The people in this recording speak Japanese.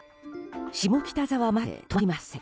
下北沢まで止まりません。